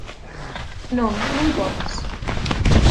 Non, non podes.